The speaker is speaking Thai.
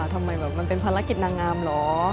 ทำไมแบบมันเป็นภารกิจนางงามเหรอ